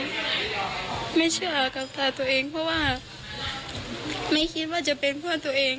เพราะว่าไม่คิดว่าจะเป็นเพื่อนตัวเอง